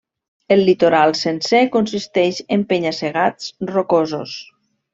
El litoral sencer consisteix en penya-segats rocosos.